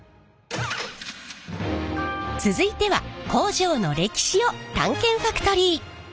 続いては工場の歴史を探検ファクトリー！